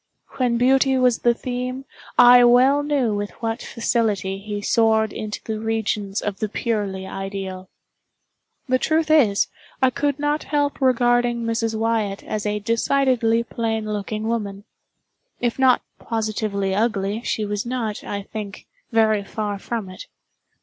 When beauty was the theme, I well knew with what facility he soared into the regions of the purely ideal. The truth is, I could not help regarding Mrs. Wyatt as a decidedly plain looking woman. If not positively ugly, she was not, I think, very far from it.